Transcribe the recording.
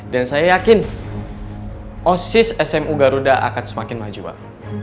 dan saya yakin osis smu garuda akan semakin maju pak